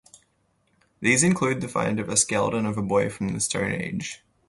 These include the find of a skeleton of a boy from the Stone Age.